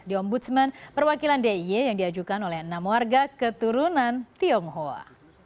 di ombudsman perwakilan d i y yang diajukan oleh enam warga keturunan tionghoa